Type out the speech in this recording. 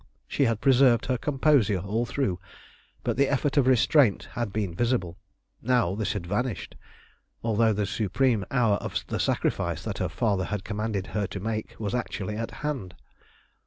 She had preserved her composure all through, but the effort of restraint had been visible. Now this had vanished, although the supreme hour of the sacrifice that her father had commanded her to make was actually at hand.